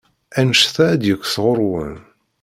Anect-a ad d-yekk sɣur-wen.